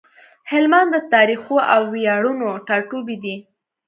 هلمند د تاريخونو او وياړونو ټاټوبی دی۔